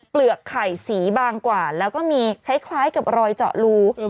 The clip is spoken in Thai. เปลือกไข่สีบางกว่าแล้วก็มีคล้ายกับรอยเจาะรู